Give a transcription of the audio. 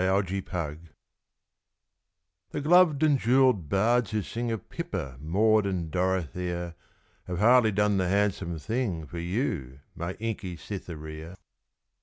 Black Lizzie The gloved and jewelled bards who sing Of Pippa, Maud, and Dorothea, Have hardly done the handsome thing For you, my inky Cytherea.